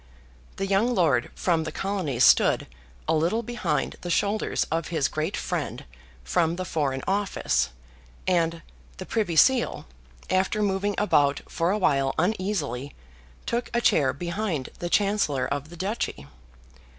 The young lord from the Colonies stood a little behind the shoulders of his great friend from the Foreign Office; and the Privy Seal, after moving about for a while uneasily, took a chair behind the Chancellor of the Duchy.